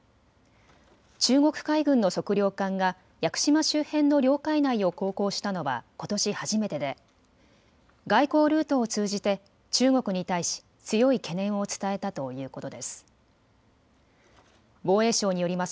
中国海軍の測量艦が屋久島周辺の領海内を航行したのはことし初めてで外交ルートを通じて中国に対し強い懸念を伝えたということです。